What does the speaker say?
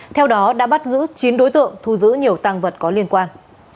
theo đó đã bắt giữ chín đối tượng thu giữ nhiều tăng vật có liên quan